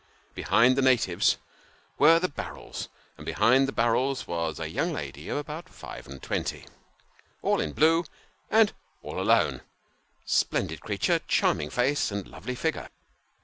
Behind the natives were the barrels, and behind the barrels was a young lady of about five and twenty, all in blue, and all alone splendid creature, charming face and lovely figure